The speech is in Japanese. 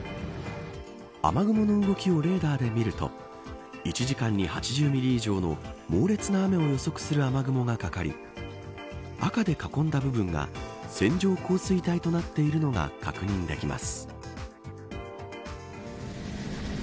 雨雲の動きをレーダーで見ると１時間に８０ミリ以上の猛烈な雨を予測する雨雲がかかり赤で囲んだ部分が線状降水帯となっているのが確認できます。